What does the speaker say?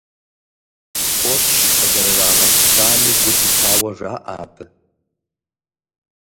Фоч къызэрырагъэпщами гу лъитауэ жаӏэ абы.